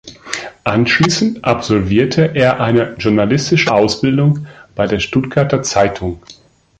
Anschließend absolvierte er eine journalistische Ausbildung bei der Stuttgarter Zeitung.